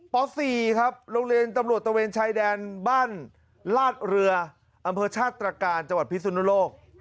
ป๔ครับโรงเรียนตำรวจตะเวนชายแดนบ้านลาดเรืออำเภอชาติตรการจังหวัดพิสุนโลก